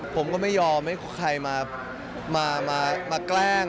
ผมก็ไม่ยอมให้ใครมาแกล้ง